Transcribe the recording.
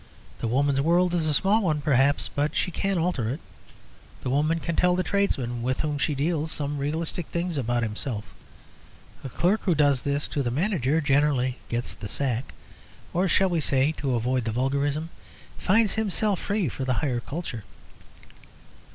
The woman's world is a small one, perhaps, but she can alter it. The woman can tell the tradesman with whom she deals some realistic things about himself. The clerk who does this to the manager generally gets the sack, or shall we say (to avoid the vulgarism), finds himself free for higher culture.